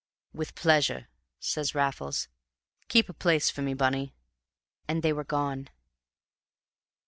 "With pleasure," says Raffles. "Keep a place for me, Bunny." And they were gone.